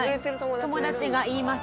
友達が言います。